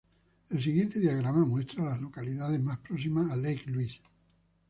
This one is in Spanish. El siguiente diagrama muestra a las localidades más próximas a Lake Louise.